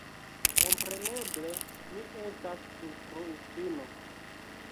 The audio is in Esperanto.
Kompreneble mi estas instruistino.